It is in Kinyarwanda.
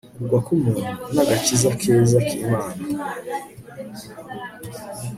Kugwa kumuntu nagakiza keza kImana